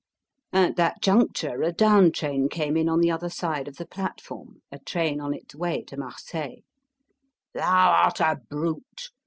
At that juncture a down train came in on the other side of the platform, a train on its way to Marseille. "Thou art a brute!"